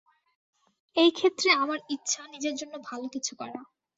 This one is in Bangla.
এই ক্ষেত্রে, আমার ইচ্ছা, নিজের জন্য ভালো কিছু করা।